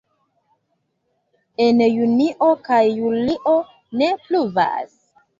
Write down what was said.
En junio kaj julio ne pluvas.